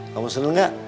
kamu seneng gak